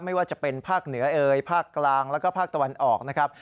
ไม่ว่าจะเป็นภาคเหนือเอ่ยภาคกลางแล้วก็ภาคตะวันออกนะครับ